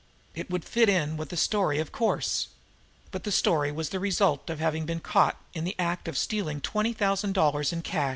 It would fit in with the story, of course but the story was the result of having been caught in the act of stealing twenty thousand dollars in cash!